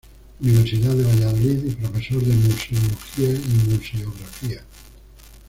Universidad de Valladolid y Profesor de Museología y Museografía.